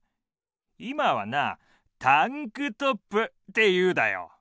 今はなタンクトップっていうだよ。